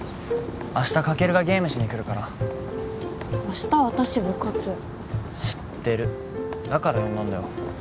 明日カケルがゲームしに来るから明日私部活知ってるだから呼んだんだよ